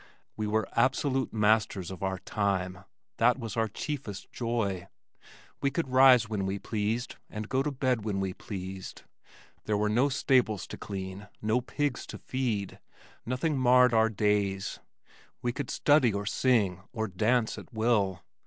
We were absolute masters of our time that was our chiefest joy. We could rise when we pleased and go to bed when we pleased. There were no stables to clean, no pigs to feed, nothing marred our days. We could study or sing or dance at will.